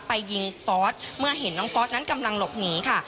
ไปยิงฟอสเมื่อเห็นน้องฟอสนั้นกำลังหลบหนีค่ะ